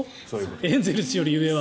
エンゼルスより上は。